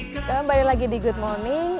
jom balik lagi di good morning